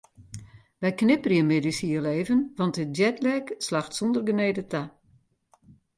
Wy knipperje middeis hiel even want de jetlag slacht sûnder genede ta.